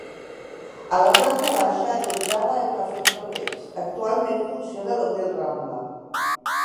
A la planta baixa allotjava el Cafè Progrés, actualment funciona l'Hotel Rambla.